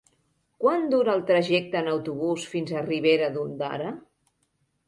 Quant dura el trajecte en autobús fins a Ribera d'Ondara?